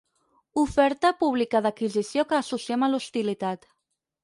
Oferta pública d'adquisició que associem a l'hostilitat.